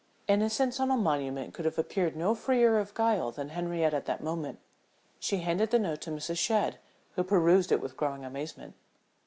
Innocence on a monument could have appeared no freer of guile than Henriette at that moment. She handed the note to Mrs. Shadd, who perused it with growing amazement.